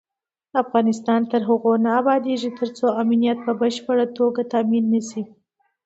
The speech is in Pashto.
افغانستان تر هغو نه ابادیږي، ترڅو امنیت په بشپړه توګه تامین نشي.